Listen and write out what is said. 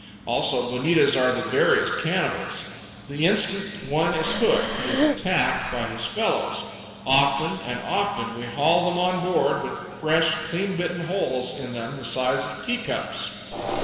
Also, bonitas are the veriest cannibals. The instant one is hooked he is attacked by his fellows. Often and often we hauled them on board with fresh, clean bitten holes in them the size of teacups.